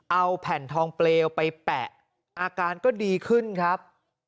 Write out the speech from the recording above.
เอาแผ่นทองเปลวไปแปะอาการก็ดีขึ้นครับ